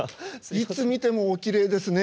いつ見てもおきれいですね。